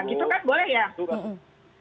nah gitu kan boleh ya